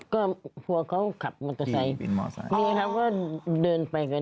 ก็หัวเขาขับมอเตอร์ไซค์เขาก็เดินไปกัน